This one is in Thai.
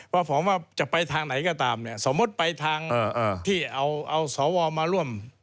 เพราะผมว่าจะไปทางไหนก็ตามสมมติไปทางที่เอาสวมาร่วม